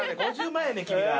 ５０万円ね君ら。